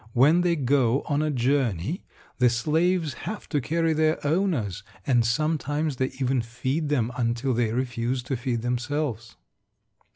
When they go on a journey the slaves have to carry their owners, and sometimes they even feed them until they refuse to feed themselves.